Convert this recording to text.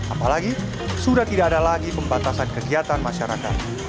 apalagi sudah tidak ada lagi pembatasan kegiatan masyarakat